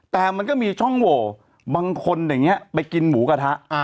แต่มันก็มีช่องโหวบางคนอย่างนี้ไปกินหมูกระทะ